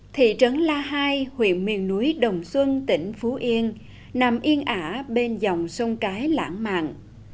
thị trấn la hai huyện miền núi đồng xuân tỉnh phú yên nằm yên ả bên dòng sông cái lãng mạn